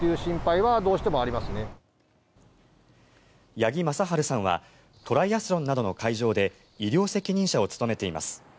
八木正晴さんはトライアスロンなどの会場で医療責任者を務めています。